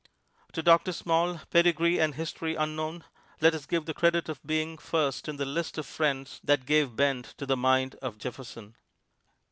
To Doctor Small, pedigree and history unknown, let us give the credit of being first in the list of friends that gave bent to the mind of Jefferson.